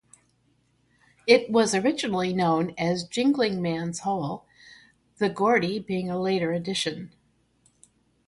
It was originally known as "Jingling Man's Hole", the "Geordie" being a later addition.